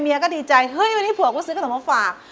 ก็ดีใจเฮ้ยวันนี้ผัวก็ซื้อขนมมาฝาก